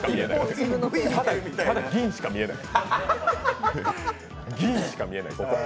ただ、銀しか見えない。